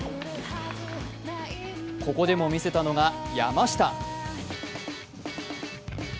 ここでも見せたのが山下。